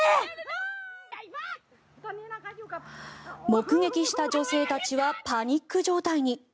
目撃した女性たちはパニック状態に。